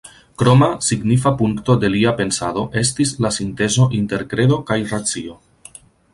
Kroma signifa punkto de lia pensado estis la sintezo inter kredo kaj racio.